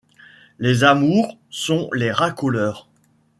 Les amours sont les racoleurs.